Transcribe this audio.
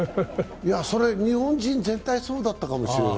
日本人全体そうだったかもしれない。